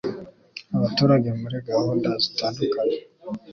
abaturage muri gahunda zitandukanye